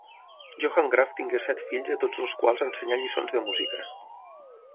Johann Graf tingué set fills a tots els quals ensenyà lliçons de música.